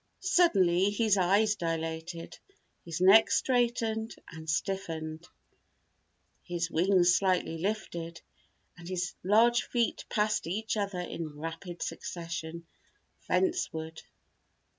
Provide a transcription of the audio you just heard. Suddenly his eyes dilated, his neck straightened and stiffened, his wings slightly lifted and his large feet passed each other in rapid succession, fence ward.